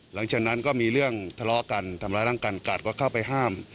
หลังจากนั้นก็มีเรื่องทะเลาะกันทำร้ายร่างกายกัดก็เข้าไปห้าม